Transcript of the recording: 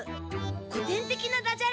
こてんてきなダジャレ。